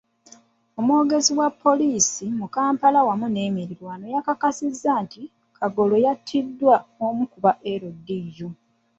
Omwogezi wa poliisi mu Kampala n'emiriraano, yakakasizza nti Kagolo yattiddwa omu ku ba LDU.